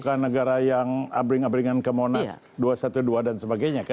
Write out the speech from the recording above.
bukan negara yang abring abringan ke monas dua ratus dua belas dan sebagainya